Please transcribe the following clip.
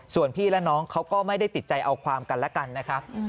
ส่วนพี่และน้องเขาก็ไม่ได้ติดใจเอาความกันและกันนะครับ